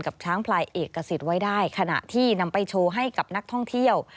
ช้างพลายเอกสิทธิ์ไว้ได้ขณะที่นำไปโชว์ให้กับนักท่องเที่ยว